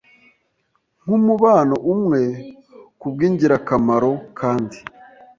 nk'umubano umwe ku bw'ingirakamaro kandi